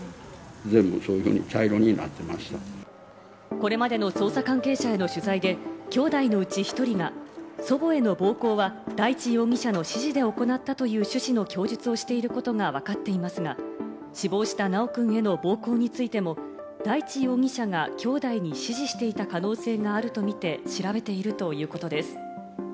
これまでの捜査関係者への取材で、きょうだいのうち１人が祖母への暴行は大地容疑者の指示で行ったという趣旨の供述をしていることがわかっていますが、死亡した修くんへの暴行についても、大地容疑者がきょうだいに指示していた可能性があるとみて調べているということです。